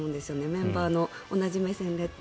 メンバーと同じ目線でって。